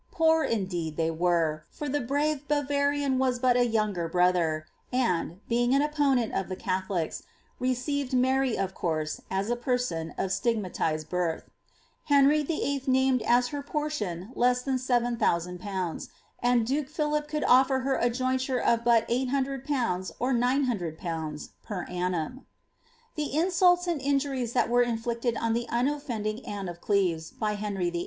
Poor, indeed, they were, for the brave Bavarian was but a younger brother, and, being an opponent of the Catholics, re ceived Mary, of course, as a person of stigmatised birth. Henry VHL named as her portion less than 7000/., and duke Philip could otifer her a jointure of but 800/. or 900/. per annum. The insults and injuries that were inflicted on the unofYending Anne of Cleves by Henry VUI.